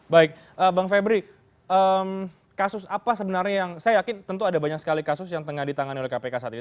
baik bang febri kasus apa sebenarnya yang saya yakin tentu ada banyak sekali kasus yang tengah ditangani oleh kpk saat ini